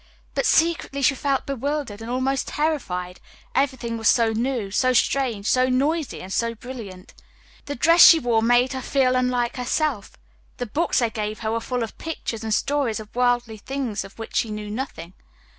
But, secretly, she felt bewildered and almost terrified, everything was so new, so strange, so noisy, and so brilliant. The dress she wore made her feel unlike herself; the books they gave her were full of pictures and stories of worldly things of which she knew nothing.